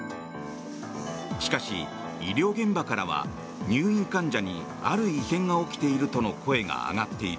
しかし、医療現場からは入院患者にある異変が起きているとの声が上がっている。